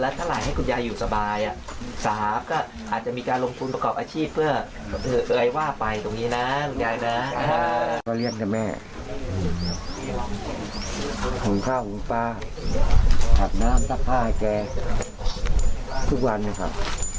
ดีใจครับพอแม่พี่น้องมาช่วยผมก็ดีใจพ่อเกิดมาก็ไม่เคยมีไง